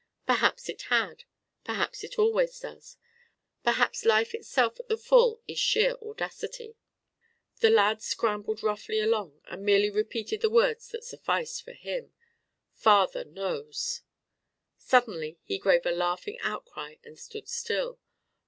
Perhaps it had. Perhaps it always does. Perhaps life itself at the full is sheer audacity. The lad scrambled roughly along, and merely repeated the words that sufficed for him: "Father knows." Suddenly he gave a laughing outcry, and stood still.